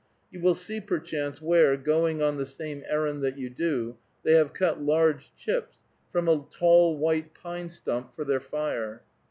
You will see perchance where, going on the same errand that you do, they have cut large chips from a tall white pine stump for their fire.